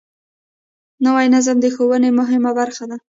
نوی نظم د ښوونې مهمه برخه ده